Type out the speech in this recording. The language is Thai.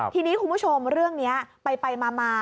ทีนี้คุณผู้ชมเรื่องนี้ไปมา